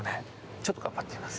ちょっと頑張ってみます。